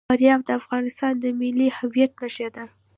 فاریاب د افغانستان د ملي هویت نښه ده.